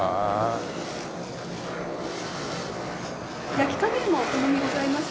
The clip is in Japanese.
焼き加減はお好みございますか？